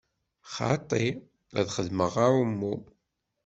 Xaṭi, ad xedmeɣ aɛummu.